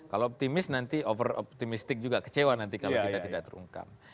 kalau optimis nanti over optimistic juga kecewa nanti kalau kita tidak terungkap